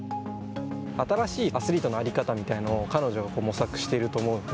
新しいアスリートの在り方みたいなのを彼女は模索していると思うので。